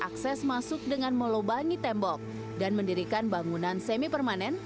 akses masuk dengan melubangi tembok dan mendirikan bangunan semi permanen